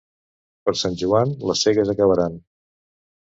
Per Sant Joan les segues acabaran.